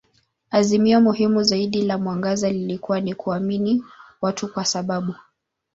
Azimio muhimu zaidi la mwangaza lilikuwa ni kuamini watu kwa sababu.